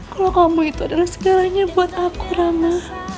kalau kamu itu adalah segalanya buat aku rama